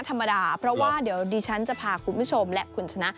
ธรรมดาเพราะว่าเดี๋ยวดิฉันจะพาคุณผู้ชมและคุณชนะ